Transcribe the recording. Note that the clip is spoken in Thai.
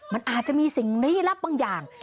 มันอาจจะมีสิ่งลี้ลับบางอย่าง